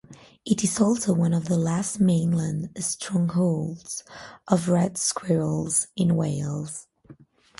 It is also one of the last mainland strongholds of red squirrels in Wales.